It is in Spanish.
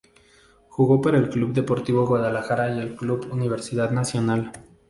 Jugó para el Club Deportivo Guadalajara y el Club Universidad Nacional.